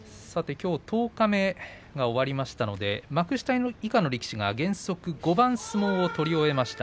きょう十日目、終わりましたので幕下以下の力士が原則５番相撲を取り終えました。